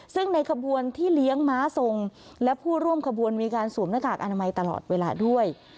ซึ่งในขบวนที่เลี้ยงม้าทรงและผู้ร่วมขบวนมีการสวมหน้ากากอนามัยตลอดเวลาด้วย